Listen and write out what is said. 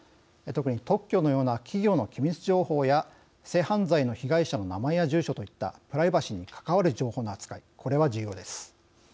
特に特許のような企業の機密情報や性犯罪の被害者の名前や住所といったプライバシーに関わる情報の扱い、これは重要です。